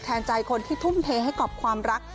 ใจคนที่ทุ่มเทให้กับความรัก